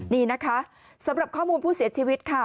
นี่นะคะสำหรับข้อมูลผู้เสียชีวิตค่ะ